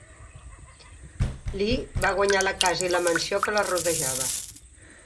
Lee va guanyar la casa i la mansió que la rodejava.